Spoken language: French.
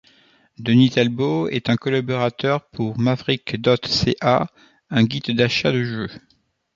Denis Talbot est un collaborateur pour Maverik.ca, un guide d'achat de jeux.